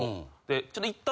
でちょっと。